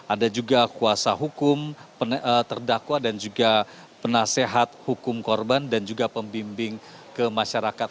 ada juga kuasa hukum terdakwa dan juga penasehat hukum korban dan juga pembimbing ke masyarakat